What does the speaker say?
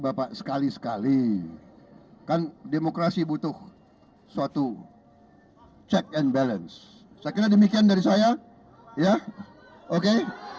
bapak sekali sekali kan demokrasi butuh suatu check and balance saya kira demikian dari saya ya oke